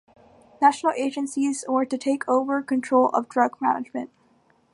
National agencies were to take over control of drug management.